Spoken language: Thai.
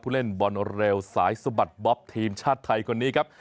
ผู้เล่นบอลโนเรลสายสุบัติบ๊อบทีมชาติไทยคนนี้ครับ